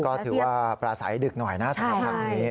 ก็ถือว่าปราศัยดึกหน่อยนะ๓ครั้งนี้